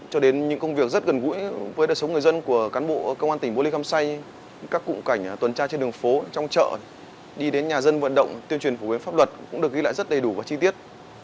cho đến những công việc rất gần gũi với đời sống người dân của cán bộ công an tỉnh bô lê khăm say các cụm cảnh tuần tra trên đường phố trong chợ đi đến nhà dân vận động tuyên truyền phổ biến pháp luật cũng được ghi lại rất đầy đủ và chi tiết